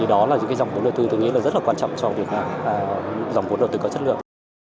đó là những dòng vốn đầu tư rất quan trọng cho dòng vốn đầu tư có chất lượng